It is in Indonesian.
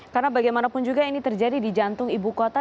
karena bagaimanapun juga ini terjadi di jantung ibu kota